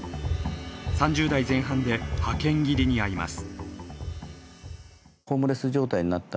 ３０代前半で派遣切りに遭います。